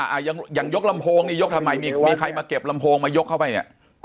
อย่างอย่างยกลำโพงนี่ยกทำไมมีมีใครมาเก็บลำโพงมายกเข้าไปเนี่ย